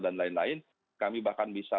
dan lain lain kami bahkan bisa